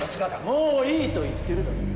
もういいと言ってるだろ！